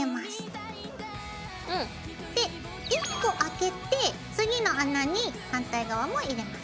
１個あけて次の穴に反対側も入れます。